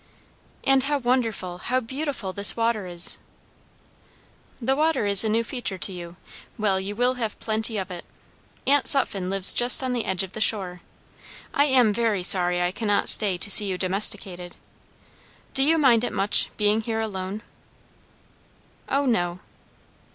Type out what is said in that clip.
"And how wonderful, how beautiful, this water is!" "The water is a new feature to you. Well, you will have plenty of it. Aunt Sutphen lives just on the edge of the shore. I am very sorry I cannot stay to see you domesticated. Do you mind it much, beginning here alone?" "O no."